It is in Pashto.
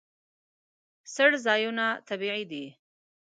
څړځایونه طبیعي دي.